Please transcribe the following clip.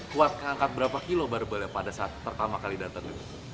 kuat keangkat berapa kilo baru pada saat pertama kali datang